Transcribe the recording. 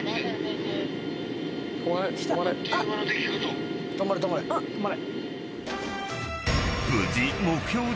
うまい。